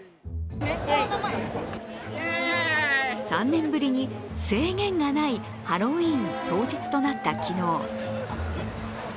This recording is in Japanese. ３年ぶりに制限がないハロウィーン当日となった昨日。